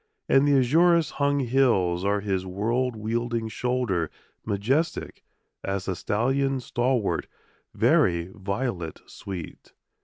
And the azurous hung hills are his world wielding shoulder Majestic as a stallion stalwart, very violet sweet!